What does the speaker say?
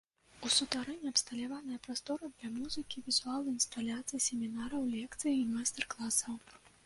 У сутарэнні абсталяваная прастора для для музыкі, візуалу, інсталяцый, семінараў, лекцый і майстар-класаў.